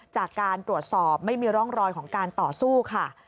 จากการตรวจสอบไม่มีร่องรอยของการต่อสู้ค่ะ